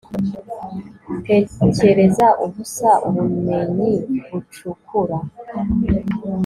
Tekereza ubusa ubumenyi bucukura